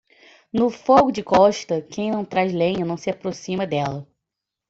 No fogo de Costa, quem não traz lenha, não se aproxima dela.